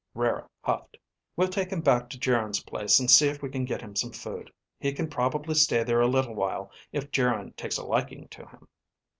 Rara huffed. "We'll take him back to Geryn's place and see if we can get him some food. He can probably stay there a little while if Geryn takes a liking to him."